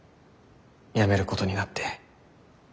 辞めることになって。